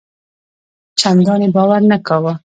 چنداني باور نه کاوه.